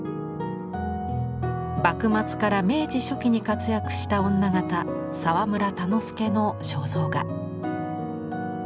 幕末から明治初期に活躍した女形澤村田之助の肖像画。